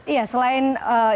iya selain itu